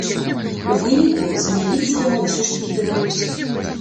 У выніку, замяніцца яму ўсё ж такі давялося.